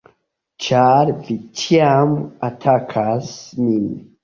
Ĉar vi ĉiam atakas min!